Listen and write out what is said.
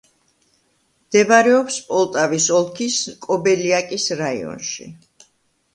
მდებარეობს პოლტავის ოლქის კობელიაკის რაიონში.